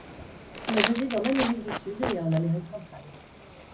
Ils résident en Amérique du Sud et en Amérique Centrale.